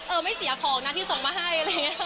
เออไม่เสียคลองนะที่ส่งมาให้